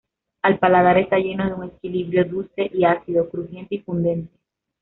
Al paladar está lleno de un equilibrio dulce y ácido, crujiente y fundente.